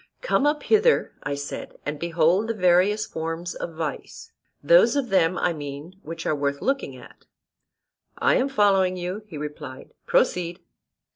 Come up hither, I said, and behold the various forms of vice, those of them, I mean, which are worth looking at. I am following you, he replied: proceed.